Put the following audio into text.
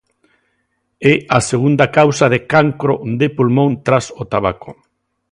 É a segunda causa de cancro de pulmón tras o tabaco.